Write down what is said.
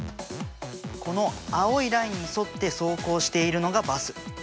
この青いラインに沿って走行しているのがバス。